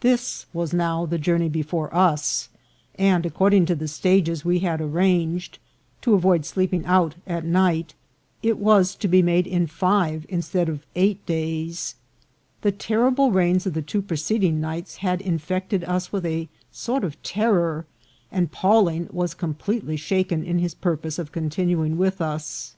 This was now the journey before us ; and, according to the stages we had arranged, to avoid sleeping out at night, it was to be made in five instead of eight days. The terrible rains of the two preceding nights had in fected us with a sort of terror, and Pawling was com pletely shaken in his purpose of continuing with us.